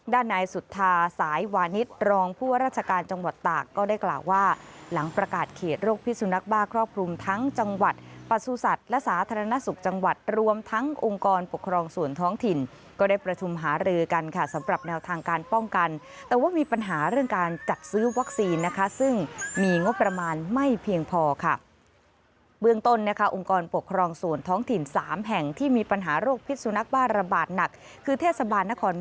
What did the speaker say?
ด้านในสุทธาสายวานิตรองผู้ว่าราชการจังหวัดตากก็ได้กล่าวว่าหลังประกาศเขตโรคพิษสุนัขบ้าครอบคลุมทั้งจังหวัดประสูสัตว์และสาธารณสุขจังหวัดรวมทั้งองค์กรปกครองสวนท้องถิ่นก็ได้ประทุมหาเรือกันค่ะสำหรับแนวทางการป้องกันแต่ว่ามีปัญหาเรื่องการจัดซื้อวัคซีนนะคะซึ่งมีงบ